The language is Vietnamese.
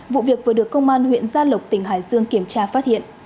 vụ việc vừa được công an huyện gia lộc tỉnh hải dương kiểm tra